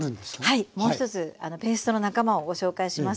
はいもうひとつペーストの仲間をご紹介します。